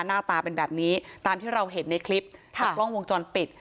หน้าตาเป็นแบบนี้ตามที่เราเห็นในคลิปจากกล้องวงจรปิด